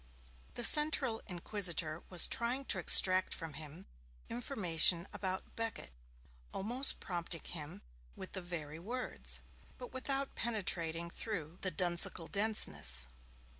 The central inquisitor was trying to extract from him information about Becket, almost prompting him with the very words, but without penetrating through the duncical denseness.